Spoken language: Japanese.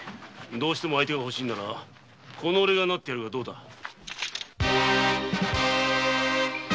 どうしても相手が欲しいならおれがなってやるがどうだ！